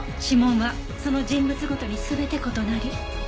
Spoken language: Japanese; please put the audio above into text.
指紋はその人物ごとに全て異なり。